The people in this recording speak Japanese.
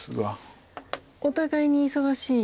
お互いに忙しい。